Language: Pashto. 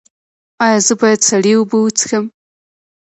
ایا زه باید سړې اوبه وڅښم؟